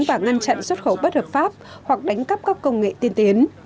và ngăn chặn xuất khẩu bất hợp pháp hoặc đánh cắp các công nghệ tiên tiến